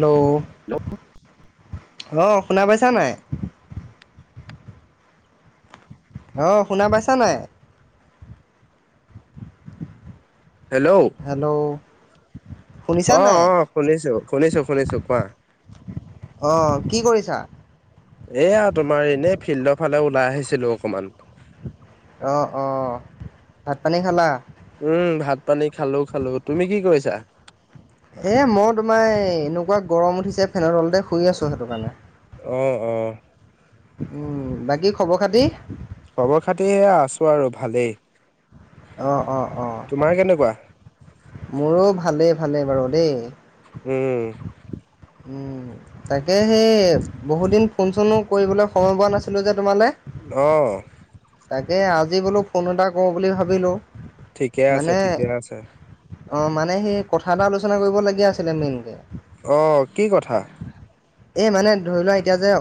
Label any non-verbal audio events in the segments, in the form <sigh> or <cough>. Hello! অঁ শুনা পাইছা নাই? অ শুনা পাইছা নাই? Hello hello! শুনিছা অ নাই অ শুনিছো শুনিছো শুনিছো কোৱা? অঁ কি কৰিছা এয়া তোমাৰ এনেই ফিল্ডৰ ফালে ওলাই আহিছিলো অকনমান। অঁ অঁ ভাত পানী খালা? উম ভাত পানী খালো খালো তুমি কি কৰিছা। এ মই তোমাৰ এই এনেকুৱা গৰম উঠিছে ফেনৰ তলতে শুই আছো সেইটো কাৰণে। অঁ অঁ উম বাকী খবৰ খাতি। খবৰ খাতি আছো আৰু ভালেই। অঁ অঁ অঁ তোমাৰ কেনেকুৱা? মোৰো ভালে ভালে বাৰু দেই। উম। তাকে সেই বহুতদিন ফোন চোনো কৰিবলৈ সময় পোৱা নাছিলোঁ যে তোমালৈ। অ তাকে আজি বোলো ফোন এটা কৰোঁ বুলি ভাবিলোঁ। ঠিকে আছে মানে ঠিকে আছে। অঁ মানে সেই কথা এটা আলোচনা কৰিবলগীয়া আছিলে মেইনকে। অ কি কথা এই মানে ধৰি লোৱা এতিয়া যে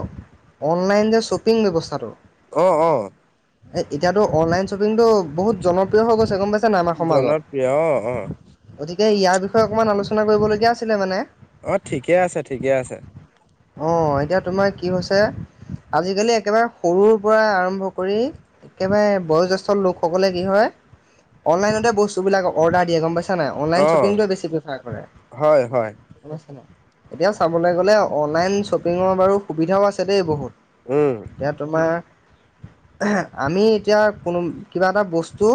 অনলাইন যে শ্বপিং ব্যৱস্থাটো। অহ অহ। এতিয়াতো অনলাইন শ্বপিং তটো বহুত জনপ্ৰিয় হৈ গৈছে গম পাইছে। আমাৰ সমাজত জনপ্ৰিয় অ অ গতিকে ইয়াৰ বিষয়ে অকণমান আলোচনা কৰিবলগীয়া আছিলে মানে। অ ঠিকে আছে ঠিকে আছে। অ এতিয়া তোমাৰ কি হৈছে। আজিকালি একেবাৰে সৰুৰ পৰা আৰম্ভ কৰি একেবাৰে বয়জ্যেষ্ঠ লোকসকলে কি হয় অনলাইনতে বস্তুবলাক অৰ্ডাৰ দিয়ে গম পাইছে? অ অনলাইন শ্বপিং টো বেছ প্ৰফাৰ কৰে। হয় হয় এতিয়া চাবলৈ গ'লে অনলাইন শ্বপিঙৰ বাৰু সুবিধাও আছে দেই বহুত। উম এতিয়া তোমাৰ। আমি এতিয়া কোনো কিবা এটা বস্তু।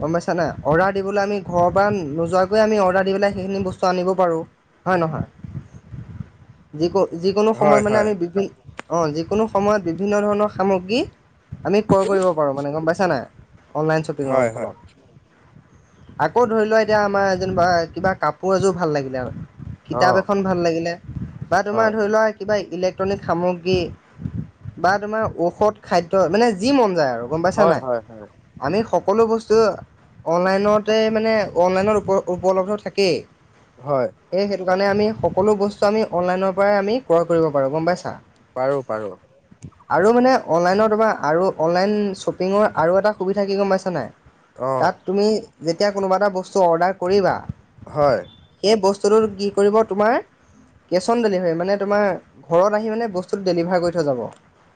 গম পাইছা নাই অৰ্ডাৰ দিবলৈ আমি ঘৰৰ পৰা নোযোৱাকৈ আমি অ সেইখিনি আনিব পাৰো। হয় নহয় যি ক। যিকোনো হয় সময়ত মানে হয় আমি বিভি অঁ যিকোনো সময়ত বিভিন্ন ধৰণৰ সামগ্ৰী আমি। ক্ৰয় কৰিব পাৰোঁ মানে গম পাইছ নাই অনলাইন শ্বপিঙৰ হয় হয় ফলত। আকৌ ধৰি লোৱা এতিয়া আমাৰ যেনিবা কিবা কাপোৰ এযোৰ ভাল লাগিলে আৰু অ কিতাপ এখন ভাল লাগিলে বা তোমাৰ হয় ধৰি লোৱা কিবা ইলেক্ট্ৰনিক সামগ্ৰী বা তোমাৰ ঔষধ খাদ্য মানে যি মন যায় আৰু আৰু গম পাইছা হয় নাই হয় হয় আমি সকলো বস্তু অনলাইনতে মানে অনলাইনত উপ উপলব্ধ থাকেই হয় সেইকাৰণে আমি সকলো বস্তু আমি অনলাইনৰ পৰাই আমি ক্ৰয় কৰিব পাৰোঁ গম পাইছা পাৰো পাৰো আৰু মানে অনলাইনৰ তম আৰু অনলাইন শ্বপিঙৰ আৰু এটা সুবিধা কি গম পাইছ নাই অ তাত তুমি যেতিয়া কোনোবা এটা বস্তু অৰ্ডাৰ কৰিবা হয় টো কি কৰিব তোমাৰ কেছ অন ডেলিভাৰী মানে তোমাৰ ঘৰত আহি মানে বস্তুটো ডেলিভাৰ কৰি থৈ যাব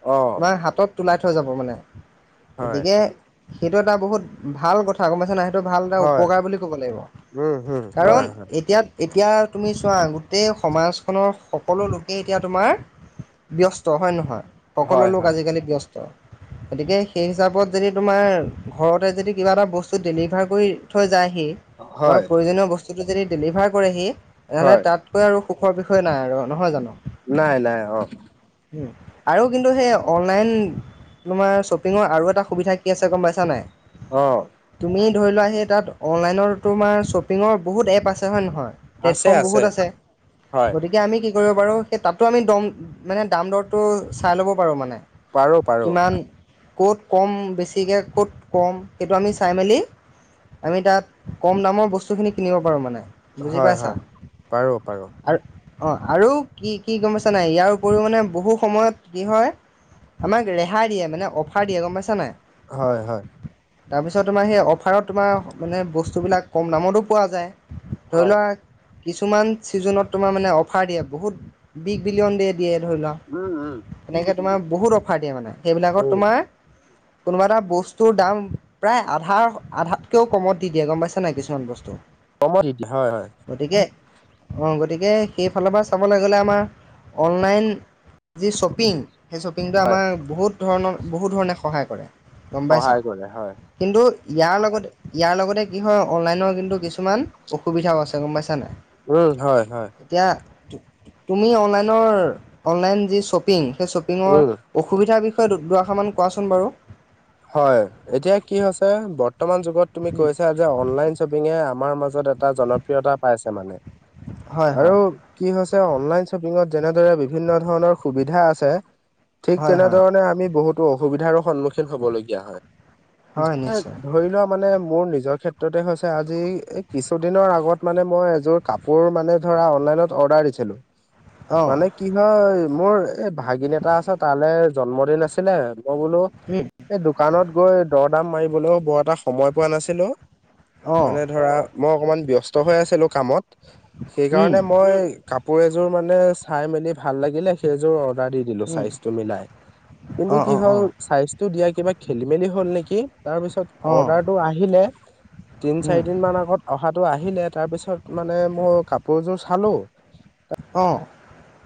অ তোমাৰ হাতত তোলাই থৈ যাব মানে হয় গতিকে সেইটো এটা বহুত ভাল কথা গম পাইছ নাই ভাল এটা হয় উপকাৰ বুলি ক'ব লাগিব উম হম কাৰণ হয় হয় এতিয়া এতিয়া তুমি চোৱা গোটেই সমাজখনৰ সকলো লোকেই এতিয়া তোমাৰ ব্যস্ত হয় নহয় সকলো হয় লোক হয় আজিকালি ব্যস্ত। গতিকে সেই হিচাপত যদি তোমাৰ ঘৰতে যদি কিবা এটা বস্তু ডেলিভাৰ কৰি থৈ যায় হি তোমাৰ হয় প্ৰয়োজনীয় বস্তুটো যদি ডেলিভাৰ কৰেহি এনেহলে হয় তাতকৈ আৰু সুখৰ বিষয়ে নাই আৰু নহয় জানো নাই নাই অ উম আৰু কিন্তু সেই অনলাইন তোমাৰ শ্বপিঙৰ আৰু এটা সুবিধা কি আছে গম পাইছা নাই অহ তুমি ধৰি লোৱা সেই তাত অনলাইনৰ তোমাৰ শ্বপিঙৰ বহুত এপ আছে হয় নহয় প্লেটফৰ্ম বহুত আছে হয় গতিকে আমি কি কৰিব পাৰো সেই তাতো আমি দম মানে দাম দৰটো চাই ল'ব পাৰো মানে বাৰু কিমান ক'ত কম বেছিকৈ ক'ত কম সেইটো আমি চাই মেলি আমি তাত কম দামৰ বস্তুখিনি কিনিব পাৰো মানে বুজি হয় পাইছা হয় পাৰো পাৰো আৰু অ আৰু কি কি গম পাইছা নাই ইয়াৰ উপৰিও মানে বহু সময়ত কি হয় আমাক ৰেহাই দিয়ে মানে অফাৰ দিয়ে গম পাইছ নাই হয় হয় তাৰপিছত তোমাৰ সেই অফাৰত তোমাৰ মানে বস্তুবিলাক কম দামতো পোৱা যায় ধৰি হয় লোৱাক কিছুমান ছিজনত তোমাৰ মানে অফাৰ দিয়ে বহুত বিগ বিলিয়ন দিয়ে দিয়ে ধৰি লোৱা উম উম তেনেকে তোমাৰ বহুত অফাৰ দিয়ে মানে সেইবিলাকত উম তোমাৰ কোনোবা এটা বস্তুৰ দাম প্ৰায় আধাৰ আধাতকৈও কমত দি দিয়ে গম পাইছা নাই কিছুমান বস্তু কম দি হয় হয় গতিকে অ গতিকে সেইফালৰ পৰা চাবলৈ গ'লে আমাৰ অনলাইন যি শ্বপিং সেই শ্বপিং হয় আমাৰ বহুত ধৰণৰ বহুত ধৰণে সহায় কৰে গম পাইছা সহায় কৰে হয় কিন্তু ইয়াৰ লগতে ইয়াৰ লগতে কি হয় অনলাইনৰ কিন্তু কিছুমান অসুবিধাও আছে গম পাইছ উম হয় হয় তুমি অনলাইনৰ অনলাইন যি শ্বপিং সেই শ্বপিঙৰ উম অসুবিধাৰ বিষয়ে দুআষাৰ মান কোৱাচোন বাৰু হয় এতিয়া কি হৈছে বৰ্তমান যুগত তুমি কৈছা যে অনলাইন শ্বপিং য়ে আমাৰ মাজত এটা জনপ্ৰিয়তা পাইছে মানে হয় হয় আৰু কি হৈছে অনলাইন শ্বপিঙত যেনেদৰে বিভিন্ন ধৰণৰ সুবিধা আছে ঠিক হয় হয় তেনেধৰণে আমি বহুতো অসুবিধাৰো সন্মুখীন হবলগীয়া হয় যে ধৰি লোৱা মানে মোৰ নিজৰ ক্ষেত্ৰতে হৈছে আজি এই কিছুদিনৰ আগত মানে মই এযোৰ কাপোৰ মানে ধৰা অনলাইন ত অৰ্ডাৰ দিছিলো অঁ মানে কি হয় মোৰ এই ভাগিন এটা আছে তালৈ জন্মদিন আছিলে মই বোলো এই দোকানত গৈ দৰদাম মাৰিবলৈও বৰ এটা সময় পোৱা নাছিলো অঁ অঁ মানে ধৰা মই অকমান ব্যস্ত হৈ আছিলো কামত সেই কাৰণে মই কাপো এযোৰ মানে চাই মেলি ভাল লাগিলে সেইযোৰ পোৰা দি দিলো চাইজটো মিলাই কিন্তু কি অঁ হল চাইজটো দিয়া কিবা খেলি মেলি হ'ল নেকি তাৰ পিছত অঁ অৰ্ডাৰটো আহিলে তিন অঁ চাৰি দিন মান আগত অহাটো আহিলে তাৰপিছত মানে মই কাপোৰযোৰ চালো অ'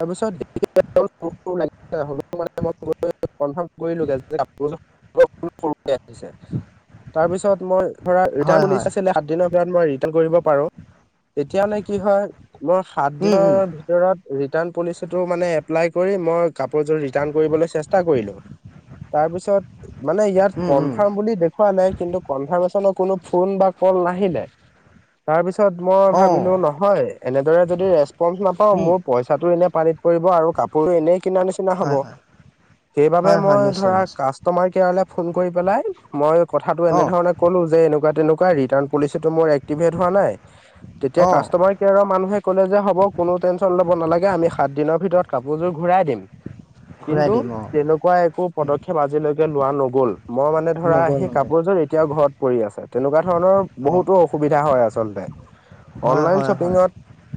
তাৰপিছত মানে কনফাম কৰিলো তাৰপিছত মই ধৰা ৰিটাৰ্ণ হয় উলিষ্ট হয় আছিলে সাত দিনৰ মই ৰিটাৰ্ণ কৰিব পাৰো তেতিয়াহলে কি হয় মই সাত দিনৰ ভিতৰত ৰিটাৰ্ণ পলিচি টো মানে এপ্লাই কৰি মই কাপোৰ যোৰ ৰিটাৰ্ণ কৰিবলৈ চেষ্টা কৰিলোঁ। তাৰপিছত মানে ইয়াত কনফাৰ্ম বুলি দেখা নাই কিন্তু কনফাৰ্মেশন কোনো ফোন বা কল নাহিলে তাৰ পিছত মই অঁ ভাবিলো নহয়। এনেদৰে যদি ৰেচপন্ঞ্চ নাপাও মোৰ পইচাটো এনে পানীত পৰিব আৰু কাপোৰ এনেই কিনা নিচিনা হব হয় হয় সেইবাবে হয় হয় মই নিশ্চয় ধৰা নিশ্চয় কাষ্টমাৰ কেয়াৰলে ফোন কৰি পেলাই মই কথাটো অঁ এনেধৰণ কলো যে এনেকুৱা তেনেকুৱা ৰিটাৰ্ণ পলিচটো ম এক্টিভেট হোৱা নাই তেতিয়া অঁ কাষ্টমাৰ কেয়াৰৰ মানুহে কলে যে হব কোনো টেনচন লব নালাগে। এনে সাত দিনৰ ভিতৰত কাপোৰ ঘূৰাই দিম ঘূৰাই কিন্তু দিম অঁ তেনেকুৱা একো পদক্ষেপ আজিলে লোৱা নগ'ল। মই মানে ধৰা নগ'ল সেই নগ'ল কাপোৰযোৰ এতিয়াও ঘৰত পৰি আছে তেনেকুৱা ধৰণৰ অঁ বহুতো অসুবিধা হয় আচলতে। হয় অনলাইন হয় হয় শ্বপিঙত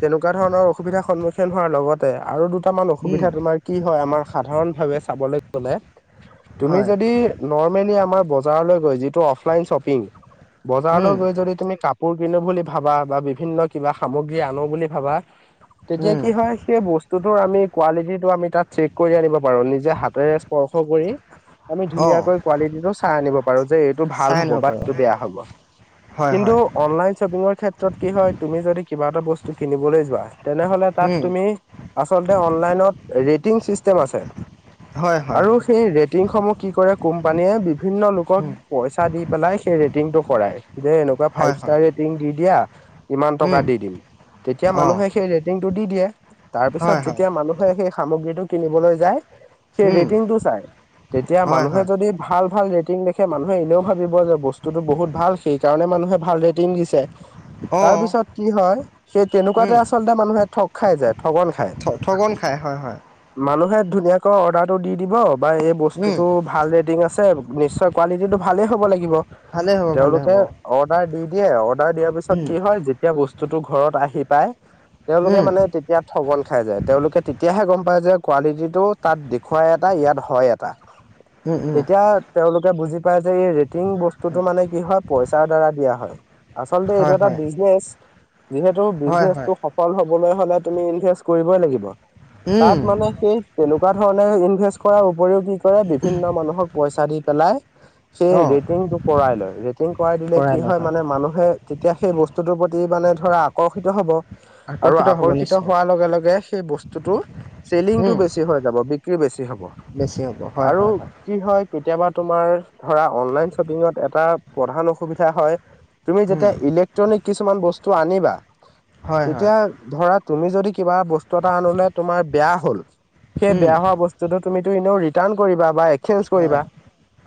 তেনেকুৱা ধৰণৰ অসুবিধাৰ সন্মুখীন হোৱাৰ লগতে আৰু দু কেইটামান উম অসুবিধা তোমাৰ কি হয় আমাৰ সাধাৰণ ভাৱে চাবলৈ গলে। তুমি হয় যদি নৰ্মেলি আমাৰ বজাৰলৈ যিটো অফলাইন শ্বপিং বজাৰলৈ গৈ যদি তুমি কাপোৰ কাপোৰ কিনো বুলি ভাবা বা বিভিন্ন কিবা সামগ্ৰী আনো বুলি ভাবা তেতিয়া কি হয় সেই বস্তুটোৰ আমি কোৱালিটিত টো আমি তাত চেক কৰি আনিব পাৰো নিজে হাতেৰে স্পৰ্শ কৰি আমি অঁ ধুনীয়াকে কোৱালিটিটো চাই আনিব পাৰো। পাৰো যে এইটো ভাল চাই আনিব বাত পাৰোঁ ধুনীয়া হব। হয় কিন্তু হয় অনলাইন শ্বপিংৰ ক্ষেত্ৰত কি হয় তুমি যদি কিবা এটা বস্তু কিনিবলৈ যোৱা তেনেহলে তাত উম তুমি আচলতে অনলাইন অনলাইনত ৰেটিং চিষ্টেম আছে। হয় হয় আৰু হয় সেই কি কৰে কোম্পানীয়ে বিভিন্ন লোকক উম পইচা দি পেলাই সেই ৰেটিংটো কৰায়। যে এনেকুৱা হয় ফাইভ হয় ষ্টাৰ ৰেটিং দি দিয়া ইমান টকা দি দিম। তেতিয়া অঁ মানুহে সেই ৰেটিংটো দি দিয়ে। তাৰ পিছত হয় হয় যেতিয়া মানুহে সেই সামগ্ৰীটো কিনিবলৈ যায় সেই উম ৰেটিংটো চাই তেতিয়া হয় মানুহে হয় যদি ভাল - ভাল ৰেটিং দে। সে মানুহে এনেও ভাবিব যে বস্তুতটো বহুত ভাল সেই কাৰণে মানুহে ভাল ৰেটিং দিছে। তাৰ অঁ পিছত কি হয় সেই তেনেকুৱাতে উম আচলতে মানুহে থগ খাই যায় ঠগন খাই ঠ ঠগন খাই হয় হয় মানুহে ধুনীয়াকৈ অৰ্ডাৰটো দি দিব। বা এই উম বস্তুতটো ভাল ৰেটিং আছে নিশ্চয় কোৱালিটিটো ভালেই হ'ব লাগিব। ভালেই হ'ব ভালেই তেওঁলোকে হ'ব অৰ্ডাৰ দি দিয়ে অৰ্ডাৰ দিয়াৰ পিছত উম কি হয় যেতিয়া বস্তু স্তুটো ঘৰত আহি পায় তেওলোকে উম মানে তেতিয়া ঠগন খাই যায় তেওলোকে তেতিয়াহে গম পায় যে কোৱালিটিটো তাত দেখুৱাই এটা ইয়াত হয় এটা। উম উম তেতিয়া তেওলোকে বুজি পায় যে এই ৰেটিং বস্তুতটো মানে কি হয় পইচাৰ দ্বাৰা দিয়া হয়। আচলতে এইটো হয় এটা হয় বিজনেচ। যিহেতু হয় হয় বিজনেচটো সফল হবলৈ হলে তুমি ইনভেষ্ট কৰিবই লাগিব। উম তাত মানে সেই তেনেকুৱা ধৰণে ইনভেষ্ট কৰা উপৰিও কি কৰে বিভিন্ন মানুহক পইচা দি পেলাই সেই অঁ ৰেটিংটো কৰাই লয় ৰেটিং কৰাই দিলে কি হয় মানে মানুহে এতিয়া সেই বস্তুটোৰ প্ৰতি মানে ধৰা আকৰ্ষিত হ'ব। আৰু আকৰ্ষিত হবই। আকৰ্ষিত হোৱাৰ লগে - লগে সেই বস্তুটো চেলিংটো উম বেছি হৈ যাব বিক্ৰী বেছি হব। বেছি হ'ব হয় আৰু হয় কি হয়। কেতিয়াবা তোমাৰ ধৰা অনলাইন শ্বপিঙত এটা প্ৰধান অসুবিধা হয়। তুমি উম যেতিয়া ইলেক্ট্ৰনিক কিছুমান বস্তু আনিবা হয় হয় তেতিয়া ধৰা তুমি যদি কিবা বস্তু এটা আনিলা তোমাৰ বেয়া হ'ল সেই উম বেয়া হোৱা বস্তুটো তুমি তুমি এনেও ৰিটাৰ্ণ কৰিবা বা এক্সচেঞ্জ হয় কৰিবা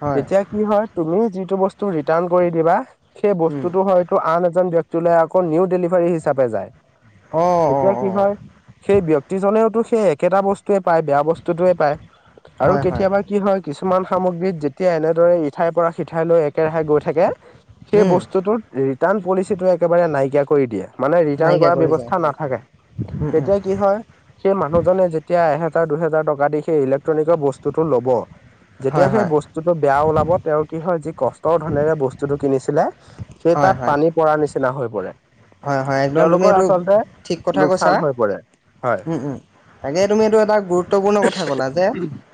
হয় তেতিয়া কি হয় তুমি যিটো বস্তু টো ৰিটাৰ্ণ কৰি দিবা সেই উম বস্তুটো হয়তো আন এজন ব্যক্তিক আকৌ নিউ ডেলিভাৰী হিচাপে যায়। অঁ অঁ তেতিয়া কি অঁ হয় সেই ব্যক্তিজনেওতো সেই একেটা বস্তু য়ে পায় বেয়া বস্তুতোয়ে পায় আৰু হয় হয় কেতিয়াবা কি হয় কিছু কিছুমান সামগ্ৰীত যেতিয়া এনেদৰে ইঠাইৰ পৰা সিঠাই লৈ একেৰাহে গৈ থাকে সেই উম বস্তুটোত ৰিটাৰ্ণ পলিচিটোৱে একেবাৰে নাইকিয়া কৰি দিয়ে মানে ৰিটাৰ্ণ নাইকিয়া কৰা কৰি যায় ব্যৱস্থা হয় হয় নাথাকে উম উম তেতিয়া কি হয় সেই মানুহজনে যেতিয়া দুহেজাৰ টকা দি ইলেক্ট্ৰনিক বস্তুটো ল'ব যেতিয়া হয় সেই হয় বস্তুটো বেয়া ওলাব তেওঁ কি হয় যি কষ্টৰ ধনেৰে বস্তুটো কিনিছিলে সেই হয় তাত হয় পানী পৰা নিচিনা হৈ পৰে হয় হয় একদম তুমি তেওঁলোকৰ এইটো আচলতে ঠিক কথা লোকচান কৈছা হৈ পৰে হয় উম উম তাকে তুমি এইটো এটা গুৰুত্বপূৰ্ণ কথা কলা যে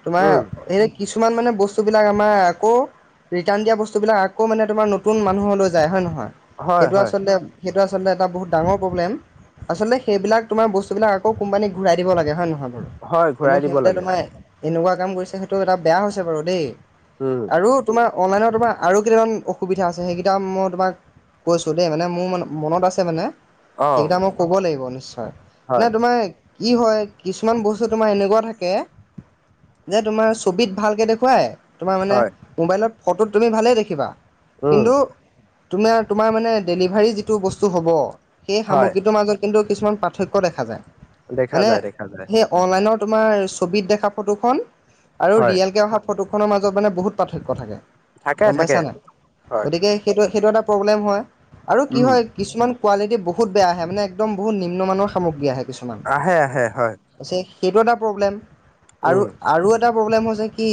তোমাৰ উম এই কিছুমান মানে বস্তু বিলাক আমাৰ আকৌ ৰিটাৰ্ণ দিয়া বস্তু বিলাক আকৌ মানে তোমাৰ নতুন মানুহলৈ যায় হয় নহয় হয় সেইটো হয় আচলতে সেইটো আচলতে এটা বহুত ডাঙৰ প্ৰব্লেম আচলতে সেইবিলাক তোমাৰ বস্তুবিলাক আকৌ কোম্পানীক ঘূৰাই দিব লাগে হয় নহয় হয় কিন্তু ঘূৰাই দিব সিহঁতে লাগে তোমাৰ এনেকুৱা কাম কৰিছে সেইটো এটা বেয়া হৈছে বাৰু দেই উম আৰু তোমাৰ অনলাইনত তোমাৰ আৰু কেইটামান অসুবিধা আছে সেইকেইটা মই তোমাক কৈছোঁ দেই মানে মোৰ মানে মনত আছে মানে অ সেইকেইটা মই ক'ব লাগিব নিশ্চয় নে হয় তোমাৰ কি হয় কিছুমান বস্তু তোমাৰ এনেকুৱা থাকে যে তোমাৰ ছবিত ভালকে দেখুৱাই তোমাৰ মানে হয় মোবাইলত ফটোত তুমি ভালেই দেখিবা উম কিন্তু তোমাৰ তোমাৰ মানে ডেলিভাৰী যিটো বস্তু হ'ব সেই হয় সামগ্ৰীটোৰ মাজত কিন্তু কিছুমান পাৰ্থক্য দেখা যায় দেখা মানে যায় দেখা যায় সেই অনলাইনত তোমাৰ ছবিত দেখা ফটোখন আৰু হয় ৰিয়েলকৃ অহা ফটোখনৰ মাজত মানে বহুত পাৰ্থক্য থাকে থাকে গম পাইছা থাকে নাই হয় গতিকে সেইটো সেইটো এটা প্ৰব্লেম হয় আৰু কি উম হয় কিছুমান কোৱালিটি বহুত বেয়া আহে মানে একদম বহুত নিম্নমানৰ সামগ্ৰী আহে কিছুমান আহে আহে হয় সেইটো এটা প্ৰব্লেম আৰু উম আৰু এটা আৰু এটা প্ৰব্লেম হৈছে কি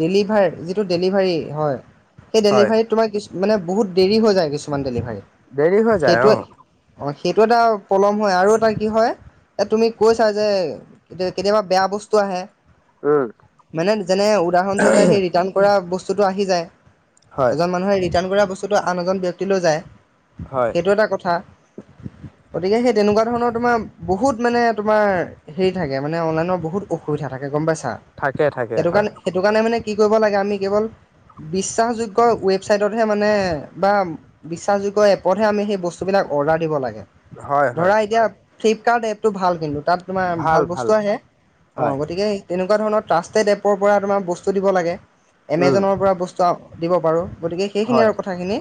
ডেলিভাৰ যিটো ডেলিভাৰী হয় সেই হয় ডেলিভাৰী তোমাক মানে বহুত দেৰি হৈ যায় কিছুমান ডেলিভাৰী দেৰি হৈ যায় সেইটোৱে অ অঁ সেইটো এটা প্ৰব্লেম হয় আৰু এটা কি হয় এ তুমি কৈছা যে কেতিয়াবা বেয়া বস্তু আহে উম মানে যেনে উদাহৰণস্বৰূপে সেই ৰিটাৰ্ণ কৰা বস্তুটো আহি যায় হয় এজন মানুহে ৰিটাৰ্ণ কৰা বস্তুটো আন এজন ব্যক্তিলৈ যায় হয় সেইটো এটা কথা <unintelligible> গতিকে সেই তেনেকুৱা ধৰণৰ তোমাৰ বহুত মানে তোমাৰ হেৰি থাকে মানে অনলাইনৰ বহুত অসুবিধা থাকে গম পাইছা থাকে থাকে সেইটো হয় কাৰণে সেইটো কাৰণে মানে কি কৰিব লাগে আমি কেৱল বিশ্বাসযোগ্য ৱেবছাইটতহে মানে বা বিশ্বাসযোগ্য এপ এপাদ সেই বস্তুবিলাক অৰ্ডাৰ দিব লাগে হয় হয় ধৰা এতিয়া ফ্লিপকাৰ্ট এপটো ভাল কিন্তু তাত তোমাৰ ভাল বস্তু আহে অ হয় গতিকে তেনেকুৱা এনেকুৱা ধৰণৰ ট্ৰাষ্টেড এপৰ পৰা তোমাৰ বস্তু দিব লাগে উম এমেজনৰ পৰা বস্তু দিব পাৰোঁ গতিকে সেইখিনি হয়, আৰু কথাখিনি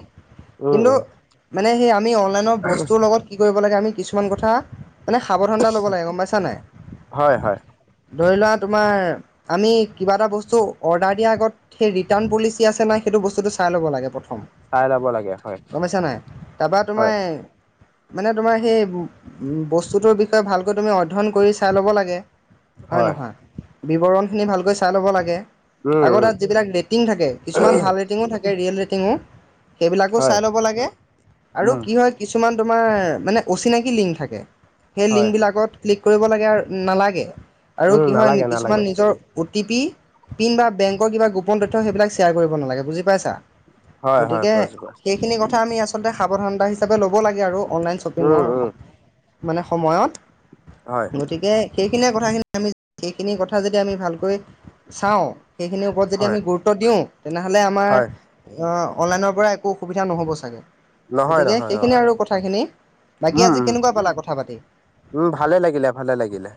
উম, কিন্তু উম, মানে সেই আমি অনলাইনৰ বস্তুৰ লগত কৰিব লাগে কিছুমান কথা সাবধানতা লব লাগে গম পাইছা নাই হয়, হয়, ধৰি লোৱা তোমাৰ আমি কিবা এটা বস্তু অৰ্ডাৰ দিয়াৰ আগত সেই ৰিটাৰ্ণ পলিচি আছে নাই সেইটো বস্তুটো চাই ল'ব লাগে প্ৰথম চাই লব লাগে হয় গম পাইছা নাই তাৰপৰা তোমাৰ হয়, মানে তোমাৰ সেই বস্তুটোৰ বিষয়ে ভালকৈ তুমি অধ্যয়ন কৰি চাই ল'ব লাগে হয় নহয় বিৱৰণখিনি ভালকৈ চাই ল'ব লাগে উম, আগৰ উম, তাত যিবিলাক ৰেটিং থাকে কিছুমান ভাল ৰেটিঙ থাকে ৰিয়েল ৰেটিঙ সেইবিলাকো হয়, চাই ল'ব লাগে আৰু উম, কি হয় কিছুমান তোমাৰ মানে অচিনাকি লিংক থাকে, সেই হয়, লিংকবিলাকত ক্লিক কৰিব লাগে আৰু নালাগে আৰু উম, কি হয় নালাগে, কিছুমান নালাগে, নিজৰ টি পি পিন বা বেংকৰ কিবা গোপন তথ্য সেইবাক শ্বেয়াৰ কৰিব নালাগে বুজি পাইছা, হয়, হয়, গতিকে পৰাজিত আছে, সেইখিনি কথা আমি আচলতে সাৱধানতা হিচাপে ল'ব লাগে আৰু অনলাইন উম, শ্বপিঙৰ উম, মানে সময়ত, হয়, গতিকে সেই খিনি কথাখিনি আমি সেইখিনি কথা যদি আমি ভালকৈ চাওঁ সেইখিনিৰ ওপৰত যদি হয়, আমি গুৰুত্ব দিওঁ, তেনেহ'লে আমাৰ হয়, অনলাইনৰ পৰা একো অসুবিধা নহ'ব চাগে নহয়, গতিকে নহয়, অ', সেইখিনি আৰু কথাখিনি বাকী উম, আজি উম, কেনেকুৱা পালা কথা পাতি উম ভালে লাগিলে ভালে লাগিলে।